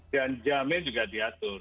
dan jamnya juga diatur